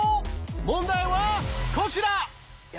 問題はこちら！